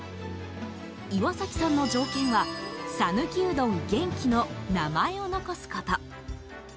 岩崎さんの条件は讃岐饂飩元喜の名前を残すこと。